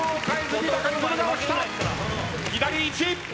左１。